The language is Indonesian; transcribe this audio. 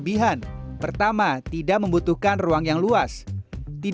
kita bisa memprediksi